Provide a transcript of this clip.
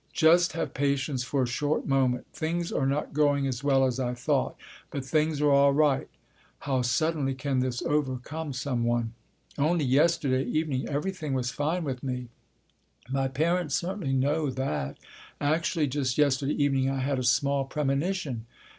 Just have patience for a short moment! Things are not going as well as I thought. But things are all right. How suddenly this can overcome someone! Only yesterday evening everything was fine with me. My parents certainly know that. Actually just yesterday evening I had a small premonition.